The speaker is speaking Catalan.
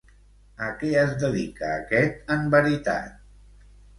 A què es dedica aquest en veritat?